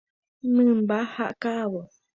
Mymba ha ka'avo.